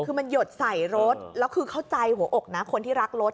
เผาพิกัดให้เข้าใจหัวอกนะคนที่รักรถ